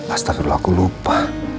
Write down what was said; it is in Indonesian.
astagfirullah aku lupa